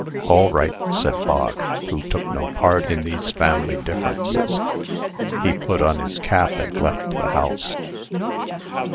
"All right," said Bog, who took no part in these family differences. He put on his cap, and left the house.